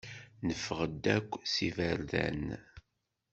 Neffeɣ-d akk s iberdan.